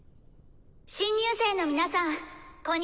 新入生の皆さんこんにちは！